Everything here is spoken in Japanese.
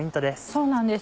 そうなんです。